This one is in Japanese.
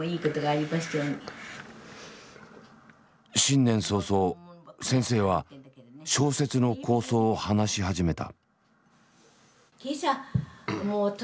新年早々先生は小説の構想を話し始めた。